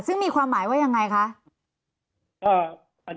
ซึ่งมีความหมายว่ายังไงคะ